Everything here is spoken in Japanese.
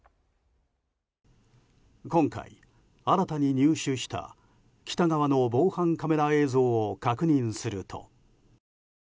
今回新たに入手した、北側の防犯カメラ映像を確認すると。